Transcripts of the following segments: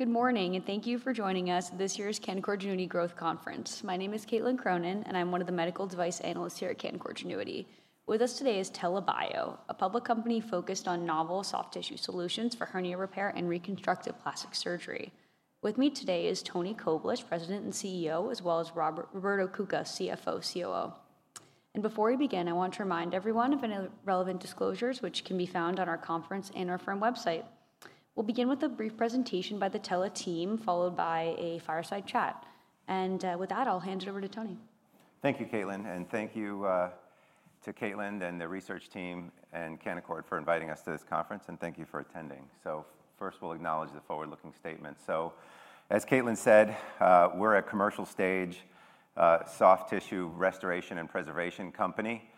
Good morning and thank you for joining us at this year's Canaccord Genuity Growth Conference. My name is Caitlin Cronan, and I'm one of the medical device analysts here at Canaccord Genuity Corp. With us today is TELA Bio, a public company focused on novel soft tissue solutions for hernia repair and reconstructive plastic surgery. With me today is Antony Koblish, President and CEO, as well as Roberto E. Cuca, CFO and COO. Before we begin, I want to remind everyone of any relevant disclosures, which can be found on our conference and our firm website. We'll begin with a brief presentation by the TELA team, followed by a fireside chat. With that, I'll hand it over to Tony. Thank you, Caitlin, and thank you to Caitlin and the research team and Canaccord Genuity Corp. for inviting us to this conference, and thank you for attending. First, we'll acknowledge the forward-looking statement. As Caitlin said, we're a commercial stage, soft tissue restoration and preservation company.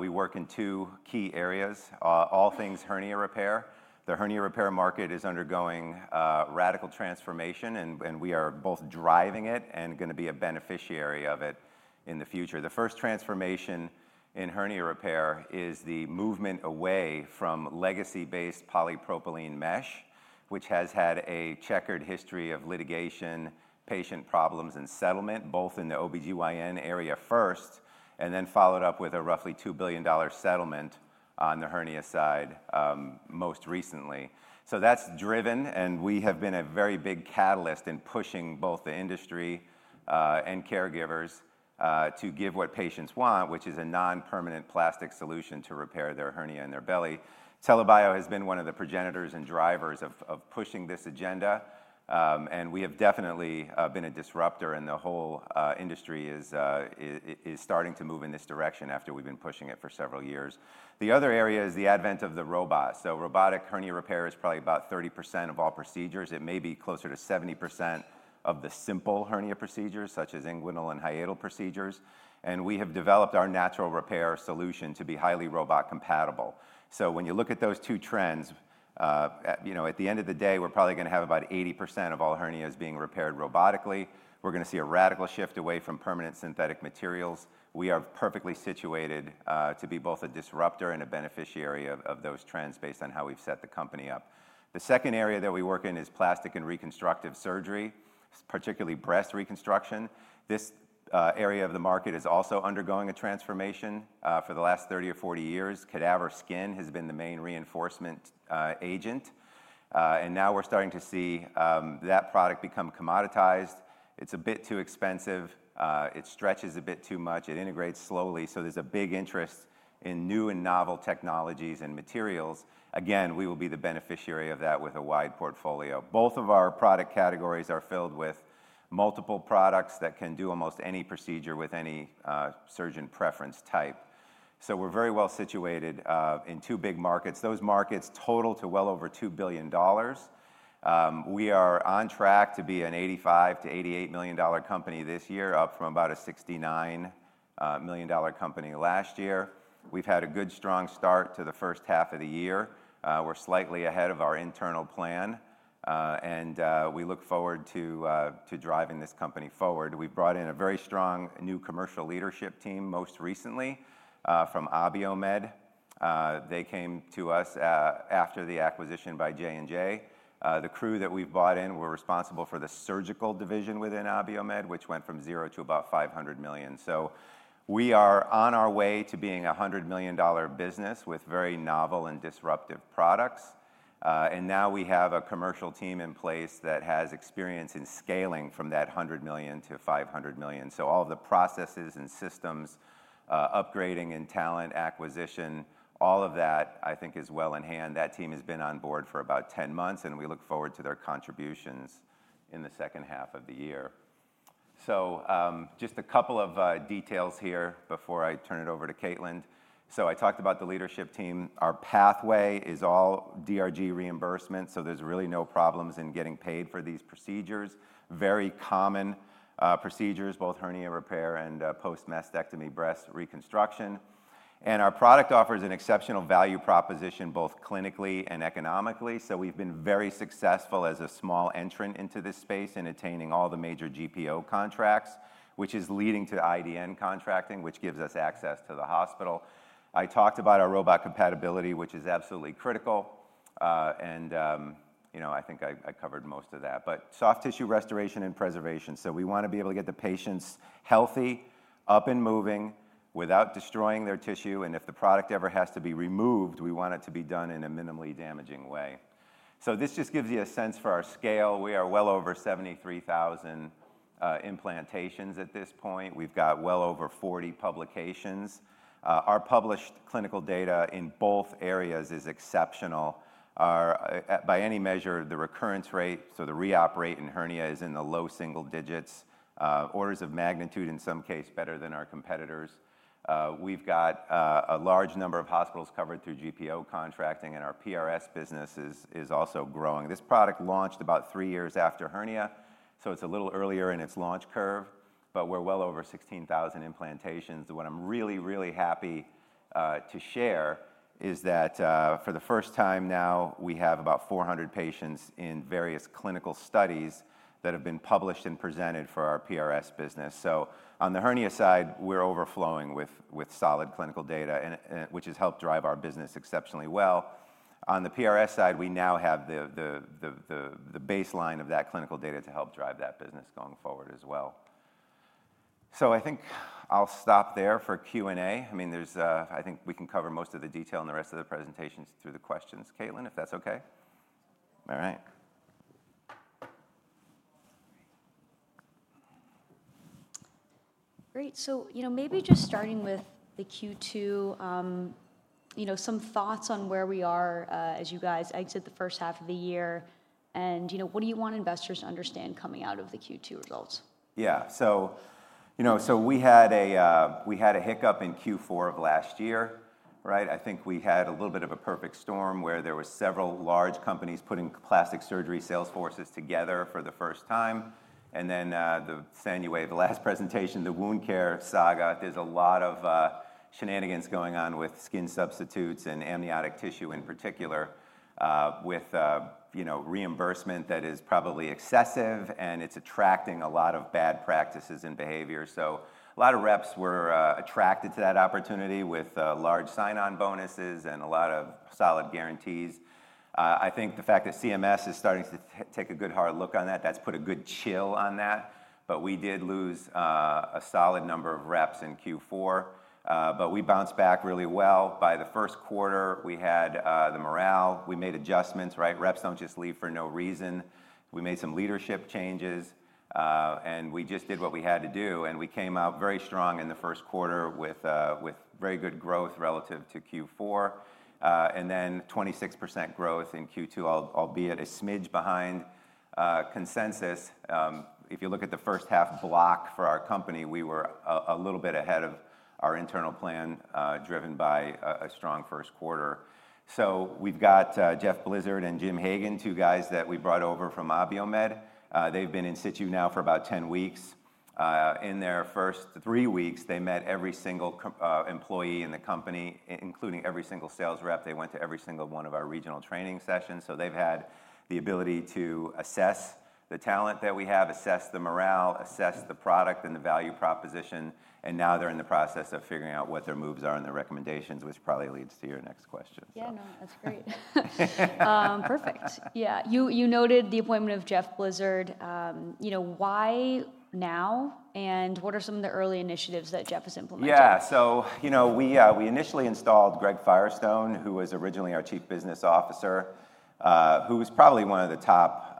We work in two key areas, all things hernia repair. The hernia repair market is undergoing radical transformation, and we are both driving it and going to be a beneficiary of it in the future. The first transformation in hernia repair is the movement away from legacy-based polypropylene mesh, which has had a checkered history of litigation, patient problems, and settlement, both in the OB-GYN area first, and then followed up with a roughly $2 billion settlement on the hernia side, most recently. That's driven, and we have been a very big catalyst in pushing both the industry and caregivers to give what patients want, which is a non-permanent plastic solution to repair their hernia in their belly. TELA Bio has been one of the progenitors and drivers of pushing this agenda, and we have definitely been a disruptor, and the whole industry is starting to move in this direction after we've been pushing it for several years. The other area is the advent of the robot. Robotic hernia repair is probably about 30% of all procedures. It may be closer to 70% of the simple hernia procedures, such as inguinal and hiatal procedures. We have developed our natural repair solution to be highly robot compatible. When you look at those two trends, at the end of the day, we're probably going to have about 80% of all hernias being repaired robotically. We're going to see a radical shift away from permanent synthetic materials. We are perfectly situated to be both a disruptor and a beneficiary of those trends based on how we've set the company up. The second area that we work in is plastic and reconstructive surgery, particularly breast reconstruction. This area of the market is also undergoing a transformation. For the last 30 or 40 years, cadaver skin has been the main reinforcement agent, and now we're starting to see that product become commoditized. It's a bit too expensive. It stretches a bit too much. It integrates slowly. There's a big interest in new and novel technologies and materials. Again, we will be the beneficiary of that with a wide portfolio. Both of our product categories are filled with multiple products that can do almost any procedure with any surgeon preference type. We're very well situated in two big markets. Those markets total to well over $2 billion. We are on track to be an $85million-$88 million company this year, up from about a $69 million company last year. We've had a good, strong start to the first half of the year. We're slightly ahead of our internal plan, and we look forward to driving this company forward. We brought in a very strong new commercial leadership team most recently from AbioMed. They came to us after the acquisition by J&J. The crew that we've brought in were responsible for the surgical division within AbioMed, which went from zero to about $500 million. We are on our way to being a $100 million business with very novel and disruptive products. Now we have a commercial team in place that has experience in scaling from that $100 million-$500 million. All of the processes and systems, upgrading and talent acquisition, all of that, I think, is well in hand. That team has been on board for about 10 months, and we look forward to their contributions in the second half of the year. Just a couple of details here before I turn it over to Caitlin. I talked about the leadership team. Our pathway is all DRG reimbursement, so there's really no problems in getting paid for these procedures. Very common procedures, both hernia repair and post-mastectomy breast reconstruction. Our product offers an exceptional value proposition both clinically and economically. We've been very successful as a small entrant into this space in attaining all the major GPO contracts, which is leading to IDN contracting, which gives us access to the hospital. I talked about our robot compatibility, which is absolutely critical. I think I covered most of that. Soft tissue restoration and preservation. We want to be able to get the patients healthy, up and moving without destroying their tissue. If the product ever has to be removed, we want it to be done in a minimally damaging way. This just gives you a sense for our scale. We are well over 73,000 implantations at this point. We've got well over 40 publications. Our published clinical data in both areas is exceptional. By any measure, the recurrence rate, so the re-op rate in hernia, is in the low single digits, orders of magnitude, in some cases, better than our competitors. We've got a large number of hospitals covered through GPO contracting, and our PRS business is also growing. This product launched about three years after hernia, so it's a little earlier in its launch curve, but we're well over 16,000 implantations. What I'm really, really happy to share is that for the first time now, we have about 400 patients in various clinical studies that have been published and presented for our PRS business. On the hernia side, we're overflowing with solid clinical data, which has helped drive our business exceptionally well. On the PRS side, we now have the baseline of that clinical data to help drive that business going forward as well. I think I'll stop there for Q&A. I think we can cover most of the detail in the rest of the presentations through the questions, Caitlin, if that's OK. All right. Great. Maybe just starting with the Q2, some thoughts on where we are as you guys exit the first half of the year. What do you want investors to understand coming out of the Q2 results? Yeah. We had a hiccup in Q4 of last year. I think we had a little bit of a perfect storm where there were several large companies putting plastic surgery sales forces together for the first time. In the last presentation, the wound care saga, there's a lot of shenanigans going on with skin substitutes and amniotic tissue in particular, with reimbursement that is probably excessive, and it's attracting a lot of bad practices and behaviors. A lot of reps were attracted to that opportunity with large sign-on bonuses and a lot of solid guarantees. I think the fact that CMS is starting to take a good hard look at that, that's put a good chill on that. We did lose a solid number of reps in Q4. We bounced back really well. By the first quarter, we had the morale. We made adjustments. Reps don't just leave for no reason. We made some leadership changes, and we just did what we had to do. We came out very strong in the first quarter with very good growth relative to Q4. Then 26% growth in Q2, albeit a smidge behind consensus. If you look at the first half block for our company, we were a little bit ahead of our internal plan, driven by a strong first quarter. We've got Jeff Blizard and Jim Hagan, two guys that we brought over from AbioMed. They've been in situ now for about 10 weeks. In their first three weeks, they met every single employee in the company, including every single sales rep. They went to every single one of our regional training sessions. They've had the ability to assess the talent that we have, assess the morale, assess the product and the value proposition. Now they're in the process of figuring out what their moves are and their recommendations, which probably leads to your next question. Yeah, no, that's great. Perfect. You noted the appointment of Jeff Blizard. Why now? What are some of the early initiatives that Jeff has implemented? Yeah. We initially installed Greg Firestone, who was originally our Chief Business Officer, who was probably one of the top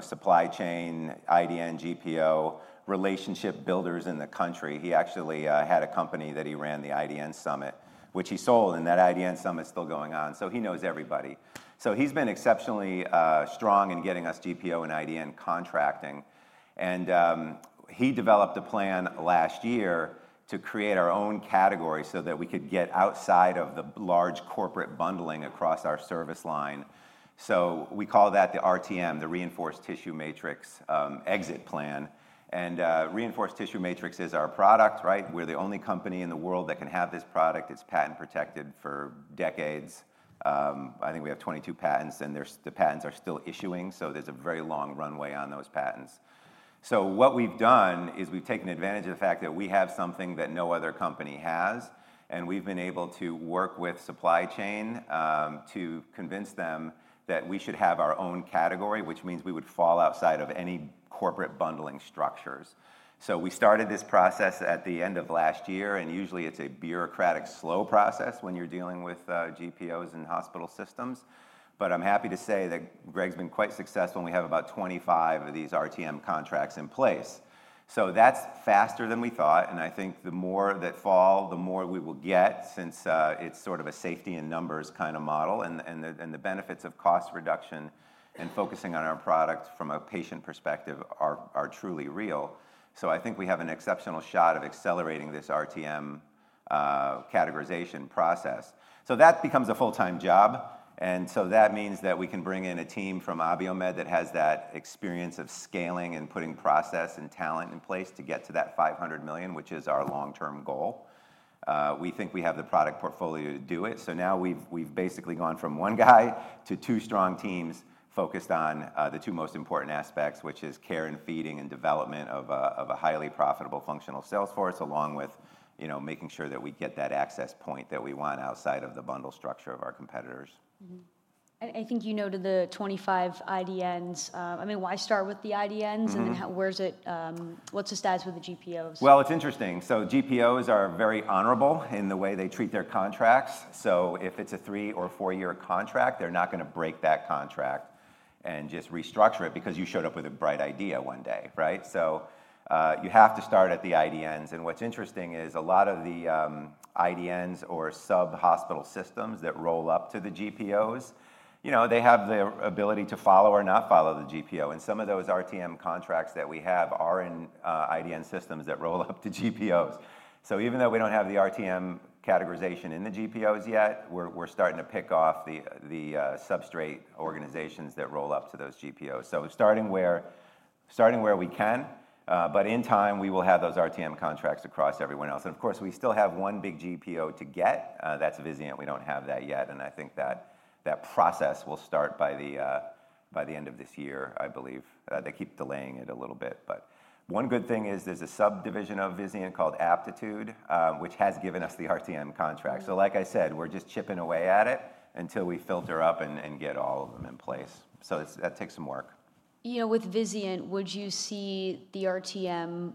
supply chain IDN/GPO relationship builders in the country. He actually had a company that he ran, the IDN Summit, which he sold. That IDN Summit is still going on. He knows everybody. He has been exceptionally strong in getting us GPO and IDN contracting. He developed a plan last year to create our own category so that we could get outside of the large corporate bundling across our service line. We call that the RTM, the reinforced tissue matrix exit plan. Reinforced tissue matrix is our product. We're the only company in the world that can have this product. It's patent protected for decades. I think we have 22 patents, and the patents are still issuing. There is a very long runway on those patents. We have taken advantage of the fact that we have something that no other company has. We have been able to work with supply chain to convince them that we should have our own category, which means we would fall outside of any corporate bundling structures. We started this process at the end of last year. Usually, it's a bureaucratic slow process when you're dealing with GPOs and hospital systems. I'm happy to say that Greg's been quite successful, and we have about 25 of these RTM contracts in place. That's faster than we thought. I think the more that fall, the more we will get since it's sort of a safety in numbers kind of model. The benefits of cost reduction and focusing on our products from a patient perspective are truly real. I think we have an exceptional shot of accelerating this RTM categorization process. That becomes a full-time job. That means that we can bring in a team from AbioMed that has that experience of scaling and putting process and talent in place to get to that $500 million, which is our long-term goal. We think we have the product portfolio to do it. Now we've basically gone from one guy to two strong teams focused on the two most important aspects, which is care and feeding and development of a highly profitable functional sales force, along with making sure that we get that access point that we want outside of the bundle structure of our competitors. You noted the 25 IDNs. Why start with the IDNs, and then what's the status with the GPOs? It's interesting. GPOs are very honorable in the way they treat their contracts. If it's a three or four-year contract, they're not going to break that contract and just restructure it because you showed up with a bright idea one day. You have to start at the IDNs. What's interesting is a lot of the IDNs or sub-hospital systems that roll up to the GPOs have the ability to follow or not follow the GPO. Some of those RTM contracts that we have are in IDN systems that roll up to GPOs. Even though we don't have the RTM categorization in the GPOs yet, we're starting to pick off the substrate organizations that roll up to those GPOs. Starting where we can, in time, we will have those RTM contracts across everyone else. Of course, we still have one big GPO to get, that's Vizient. We don't have that yet. I think that process will start by the end of this year, I believe. They keep delaying it a little bit. One good thing is there's a subdivision of Vizient called Aptitude, which has given us the RTM contract. Like I said, we're just chipping away at it until we filter up and get all of them in place. That takes some work. You know, with Vizient, would you see the RTM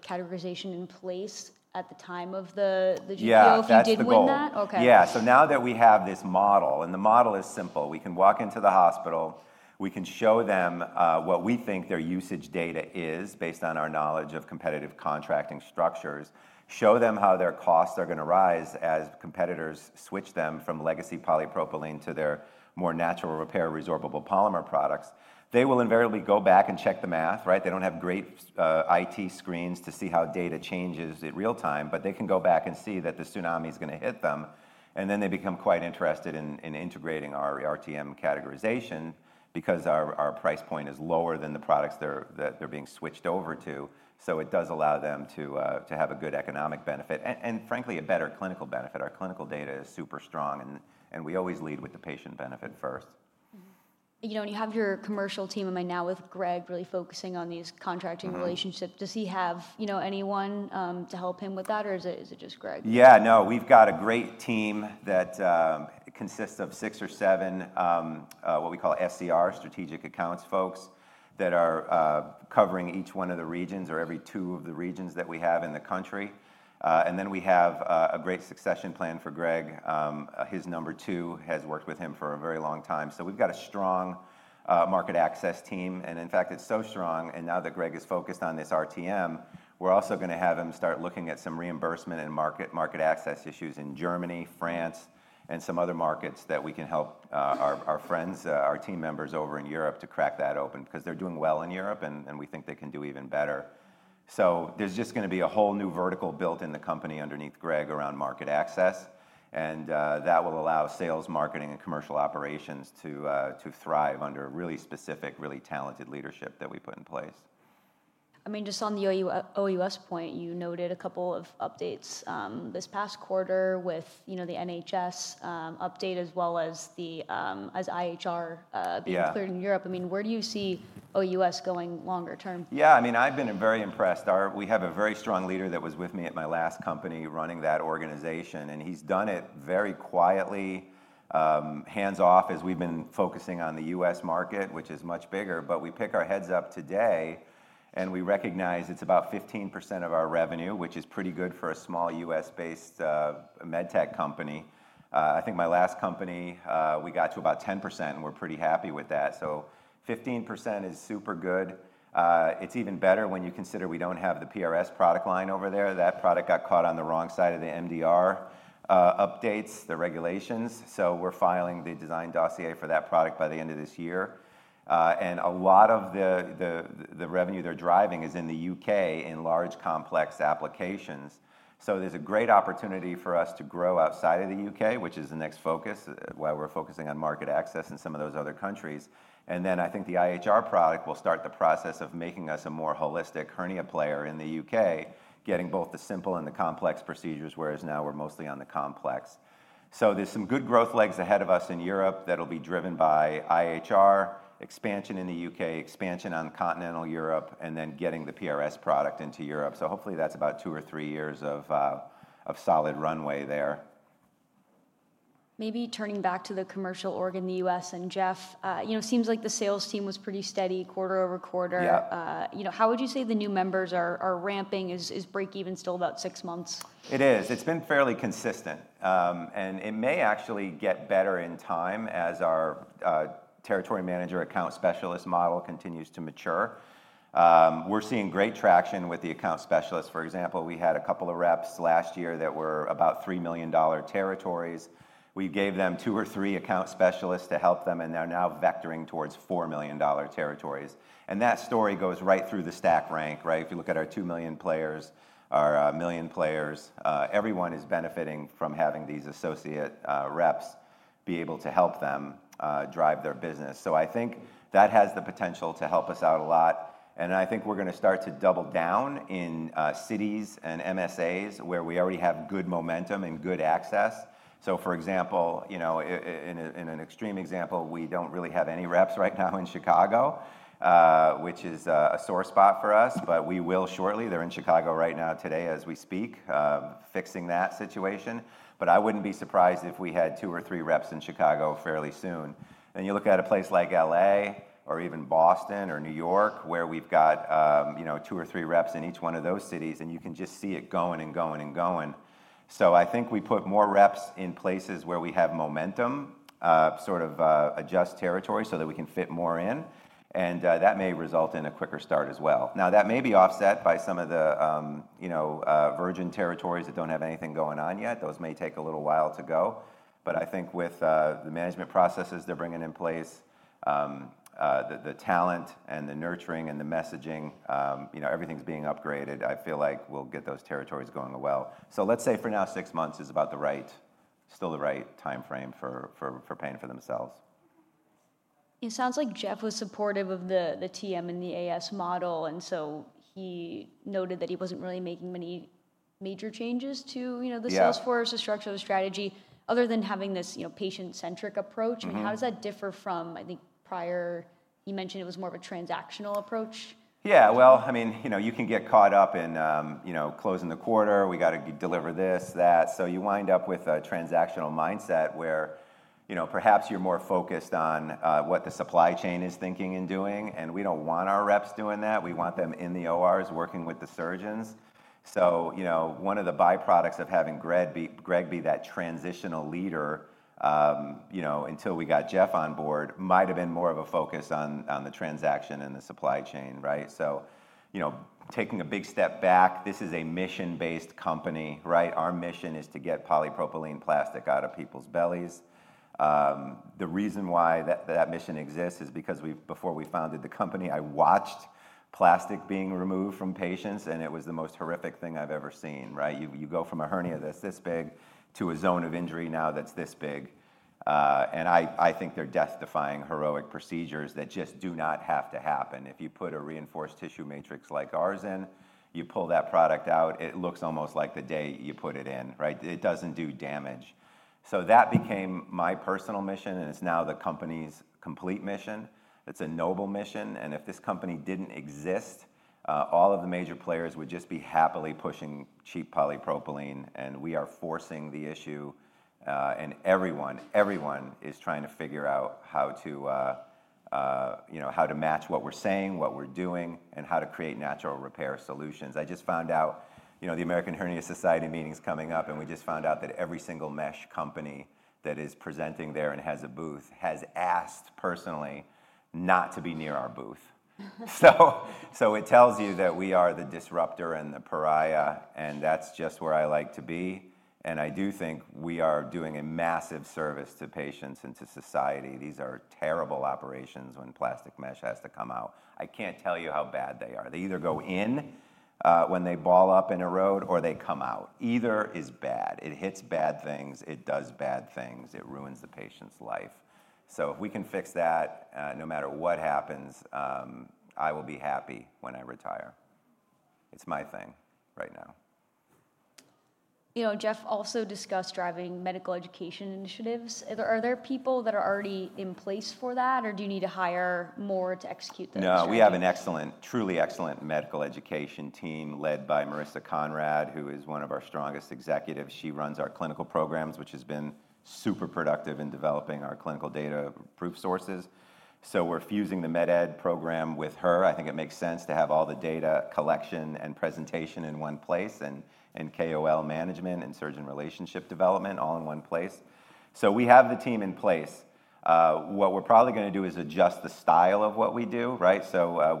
categorization in place at the time of the GPO if you did win that? Yeah. Now that we have this model, and the model is simple, we can walk into the hospital. We can show them what we think their usage data is based on our knowledge of competitive contracting structures, show them how their costs are going to rise as competitors switch them from legacy polypropylene to their more natural repair resorbable polymer products. They will invariably go back and check the math. They don't have great IT screens to see how data changes in real time, but they can go back and see that the tsunami is going to hit them. They become quite interested in integrating our RTM categorization because our price point is lower than the products that they're being switched over to. It does allow them to have a good economic benefit and, frankly, a better clinical benefit. Our clinical data is super strong. We always lead with the patient benefit first. You know, and you have your commercial team. I'm now with Greg, really focusing on these contracting relationships. Does he have anyone to help him with that, or is it just Greg? Yeah, no, we've got a great team that consists of six or seven what we call SDRs, strategic accounts folks, that are covering each one of the regions or every two of the regions that we have in the country. We have a great succession plan for Greg. His number two has worked with him for a very long time. We've got a strong market access team. In fact, it's so strong, and now that Greg is focused on this RTM, we're also going to have him start looking at some reimbursement and market access issues in Germany, France, and some other markets that we can help our friends, our team members over in Europe to crack that open. They're doing well in Europe, and we think they can do even better. There's just going to be a whole new vertical built in the company underneath Greg around market access. That will allow sales, marketing, and commercial operations to thrive under really specific, really talented leadership that we put in place. Just on the OUS point, you noted a couple of updates this past quarter with the NHS update, as well as the OviTex IHR being cleared in Europe. Where do you see OUS going longer term? Yeah, I mean, I've been very impressed. We have a very strong leader that was with me at my last company running that organization. He's done it very quietly, hands-off, as we've been focusing on the U.S. market, which is much bigger. We pick our heads up today, and we recognize it's about 15% of our revenue, which is pretty good for a small U.S.-based med tech company. I think my last company, we got to about 10%, and we're pretty happy with that. 15% is super good. It's even better when you consider we don't have the PRS product line over there. That product got caught on the wrong side of the MDR updates, the regulations. We're filing the design dossier for that product by the end of this year. A lot of the revenue they're driving is in the UK in large, complex applications. There's a great opportunity for us to grow outside of the UK, which is the next focus while we're focusing on market access in some of those other countries. I think the IHR product will start the process of making us a more holistic hernia player in the UK, getting both the simple and the complex procedures, whereas now we're mostly on the complex. There are some good growth legs ahead of us in Europe that will be driven by IHR, expansion in the UK, expansion on continental Europe, and then getting the PRS product into Europe. Hopefully, that's about two or three years of solid runway there. Maybe turning back to the commercial org in the U.S. and Jeff, it seems like the sales team was pretty steady quarter over quarter. How would you say the new members are ramping? Is break even still about six months? It is. It's been fairly consistent. It may actually get better in time as our Territory Manager Account Specialist model continues to mature. We're seeing great traction with the Account Specialists. For example, we had a couple of reps last year that were about $3 million territories. We gave them two or three Account Specialists to help them, and they're now vectoring towards $4 million territories. That story goes right through the stack rank. If you look at our $2 million players, our $1 million players, everyone is benefiting from having these associate reps be able to help them drive their business. I think that has the potential to help us out a lot. I think we're going to start to double down in cities and MSAs where we already have good momentum and good access. For example, in an extreme example, we don't really have any reps right now in Chicago, which is a sore spot for us. We will shortly. They're in Chicago right now today as we speak, fixing that situation. I wouldn't be surprised if we had two or three reps in Chicago fairly soon. You look at a place like LA or even Boston or New York where we've got two or three reps in each one of those cities, and you can just see it going and going and going. I think we put more reps in places where we have momentum, sort of adjust territory so that we can fit more in. That may result in a quicker start as well. That may be offset by some of the virgin territories that don't have anything going on yet. Those may take a little while to go. I think with the management processes they're bringing in place, the talent and the nurturing and the messaging, everything's being upgraded. I feel like we'll get those territories going well. Let's say for now, six months is about the right, still the right time frame for paying for themselves. It sounds like Jeff was supportive of the TM and the AS model. He noted that he wasn't really making many major changes to the sales force or structure of the strategy, other than having this patient-centric approach. How does that differ from, I think, prior? You mentioned it was more of a transactional approach. Yeah. You can get caught up in closing the quarter. We got to deliver this, that. You wind up with a transactional mindset where perhaps you're more focused on what the supply chain is thinking and doing. We don't want our reps doing that. We want them in the ORs working with the surgeons. One of the byproducts of having Greg be that transitional leader until we got Jeff on board might have been more of a focus on the transaction and the supply chain. Taking a big step back, this is a mission-based company. Our mission is to get polypropylene plastic out of people's bellies. The reason why that mission exists is because before we founded the company, I watched plastic being removed from patients, and it was the most horrific thing I've ever seen. You go from a hernia that's this big to a zone of injury now that's this big. I think they're death-defying, heroic procedures that just do not have to happen. If you put a reinforced tissue matrix like ours in, you pull that product out, it looks almost like the day you put it in. It doesn't do damage. That became my personal mission, and it's now the company's complete mission. It's a noble mission. If this company didn't exist, all of the major players would just be happily pushing cheap polypropylene. We are forcing the issue, and everyone is trying to figure out how to match what we're saying, what we're doing, and how to create natural repair solutions. I just found out the American Hernia Society meeting is coming up, and we just found out that every single mesh company that is presenting there and has a booth has asked personally not to be near our booth. It tells you that we are the disruptor and the pariah, and that's just where I like to be. I do think we are doing a massive service to patients and to society. These are terrible operations when plastic mesh has to come out. I can't tell you how bad they are. They either go in when they ball up in a road or they come out. Either is bad. It hits bad things. It does bad things. It ruins the patient's life. If we can fix that, no matter what happens, I will be happy when I retire. It's my thing right now. Jeff also discussed driving medical education initiatives. Are there people that are already in place for that, or do you need to hire more to execute those? No, we have an excellent, truly excellent medical education team led by Marissa Conrad, who is one of our strongest executives. She runs our clinical programs, which has been super productive in developing our clinical data proof sources. We're fusing the med ed program with her. I think it makes sense to have all the data collection and presentation in one place, and KOL management and surgeon relationship development all in one place. We have the team in place. What we're probably going to do is adjust the style of what we do.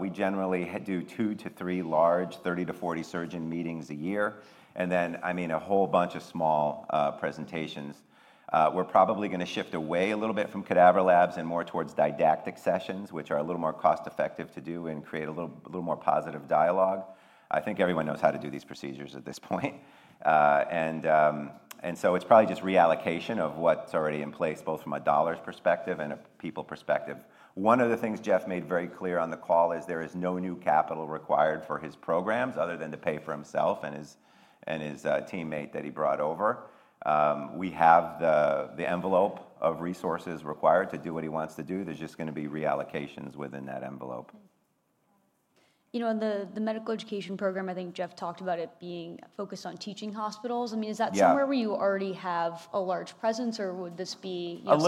We generally do two to three large 30-40 surgeon meetings a year, and then a whole bunch of small presentations. We're probably going to shift away a little bit from cadaver labs and more towards didactic sessions, which are a little more cost-effective to do and create a little more positive dialogue. I think everyone knows how to do these procedures at this point. It's probably just reallocation of what's already in place, both from a dollars perspective and a people perspective. One of the things Jeff made very clear on the call is there is no new capital required for his programs other than to pay for himself and his teammate that he brought over. We have the envelope of resources required to do what he wants to do. There's just going to be reallocations within that envelope. In the medical education program, I think Jeff talked about it being focused on teaching hospitals. Is that somewhere where you already have a large presence, or would this be? It's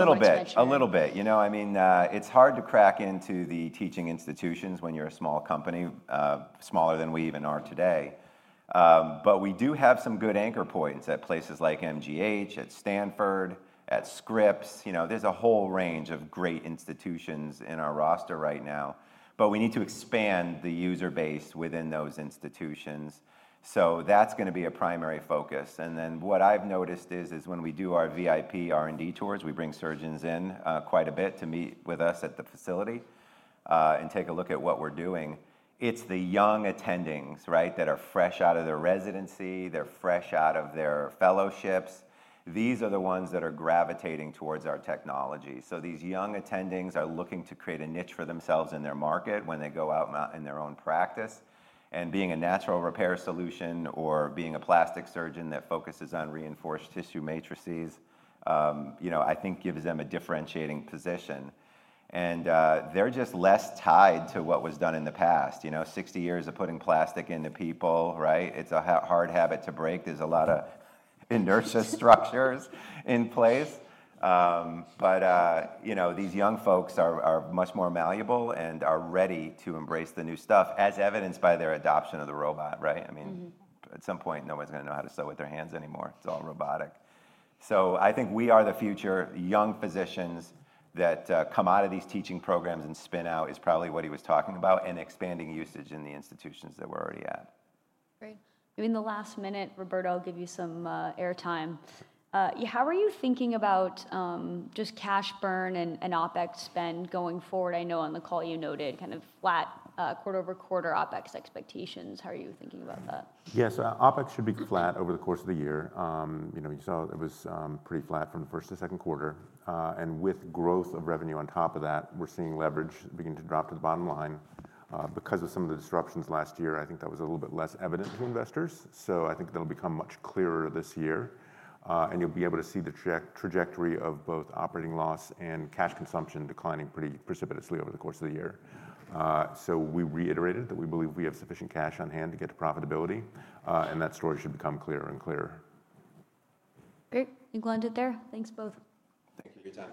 hard to crack into the teaching institutions when you're a small company, smaller than we even are today. We do have some good anchor points at places like MGH, at Stanford, at Scripps. There's a whole range of great institutions in our roster right now. We need to expand the user base within those institutions. That's going to be a primary focus. What I've noticed is when we do our VIP R&D tours, we bring surgeons in quite a bit to meet with us at the facility and take a look at what we're doing. It's the young attendings that are fresh out of their residency. They're fresh out of their fellowships. These are the ones that are gravitating towards our technology. These young attendings are looking to create a niche for themselves in their market when they go out in their own practice. Being a natural repair solution or being a plastic surgeon that focuses on reinforced tissue matrices, I think, gives them a differentiating position. They're just less tied to what was done in the past. 60 years of putting plastic into people, it's a hard habit to break. There's a lot of inertia structures in place. These young folks are much more malleable and are ready to embrace the new stuff, as evidenced by their adoption of the robot. At some point, no one's going to know how to sew with their hands anymore. It's all robotic. I think we are the future. Young physicians that come out of these teaching programs and spin out is probably what he was talking about and expanding usage in the institutions that we're already at. Great. In the last minute, Roberto, I'll give you some airtime. How are you thinking about just cash burn and OPEX spend going forward? I know on the call you noted kind of flat quarter over quarter OPEX expectations. How are you thinking about that? Yeah, OPEX should be flat over the course of the year. You saw it was pretty flat from the first to second quarter. With growth of revenue on top of that, we're seeing leverage begin to drop to the bottom line. Because of some of the disruptions last year, I think that was a little bit less evident to investors. I think that'll become much clearer this year. You'll be able to see the trajectory of both operating loss and cash consumption declining pretty precipitously over the course of the year. We reiterated that we believe we have sufficient cash on hand to get to profitability. That story should become clearer and clearer. Great. You got it there. Thanks both. Thank you for your time.